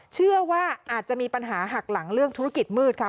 เชื่อว่าอาจจะมีปัญหาหักหลังเรื่องธุรกิจมืดค่ะ